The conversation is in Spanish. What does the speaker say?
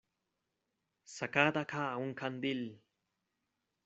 ¡ sacad acá un candil!...